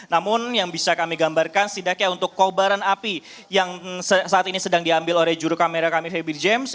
namun yang bisa kami gambarkan setidaknya untuk kobaran api yang saat ini sedang diambil oleh juru kamera kami habi james